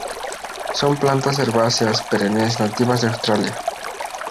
Son plantas herbáceas perennes nativas de Australia.